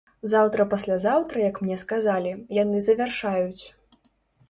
Заўтра-паслязаўтра, як мне сказалі, яны завяршаюць.